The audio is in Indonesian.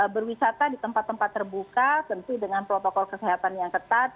berwisata di tempat tempat terbuka tentu dengan protokol kesehatan yang ketat